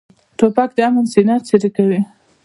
توپک د امن سینه څیرې کوي.